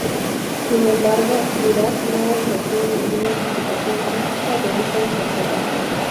Sin embargo Dirac no ofreció ninguna explicación física de esta interpretación.